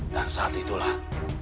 dan saat itulah